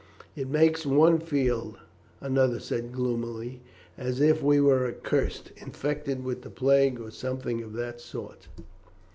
"It makes one feel," another said gloomily, "as if we were accursed, infected with the plague, or something of that sort."